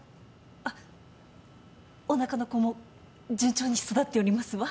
あっおなかの子も順調に育っておりますわ。